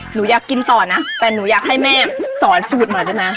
หนูอยากกินต่อนะแต่หนูอยากให้แม่สอนสูตรหน่อยได้ไหม